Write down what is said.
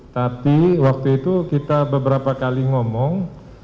tapi waktu itu kita beberapa kali ngomong